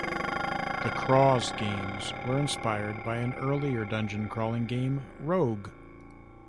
The "Kroz" games were inspired by an earlier dungeon crawling game, "Rogue".